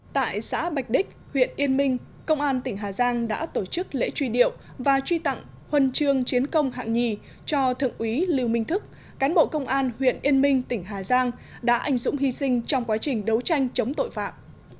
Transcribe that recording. tại xã bạch đích huyện yên minh công an tỉnh hà giang đã tổ chức lễ truy điệu và truy tặng huân chương chiến công hạng nhì cho thượng úy lưu minh thức cán bộ công an huyện yên minh tỉnh hà giang đã anh dũng hy sinh trong quá trình đấu tranh chống tội phạm